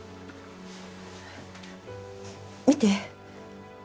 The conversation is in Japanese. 見て。